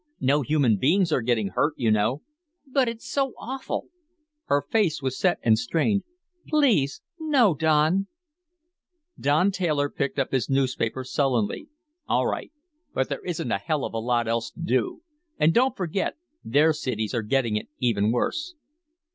No human beings are getting hurt, you know." "But it's so awful!" Her face was set and strained. "Please, no, Don." Don Taylor picked up his newspaper sullenly. "All right, but there isn't a hell of a lot else to do. And don't forget, their cities are getting it even worse."